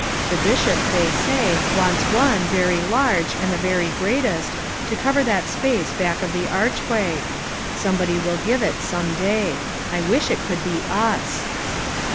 The Bishop, they say, wants one, very large, and the very greatest, to cover that space back of the archway. Somebody will give it some day; I wish it could be us."